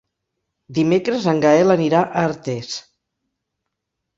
Dimecres en Gaël anirà a Artés.